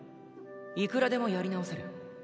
いくらでもやり直せる。